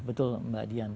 ya betul mbak dian